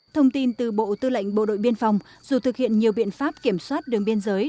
thông tin từ bộ tư lệnh bộ đội biên phòng dù thực hiện nhiều biện pháp kiểm soát đường biên giới